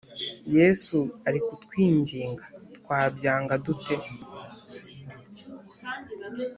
Yesu ari kutwinginga, twabyanga dute?